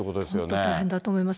本当大変だと思います。